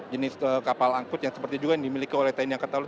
jenis kapal angkut yang seperti juga yang dimiliki oleh tni angkatan laut